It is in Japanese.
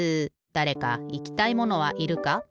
だれかいきたいものはいるか？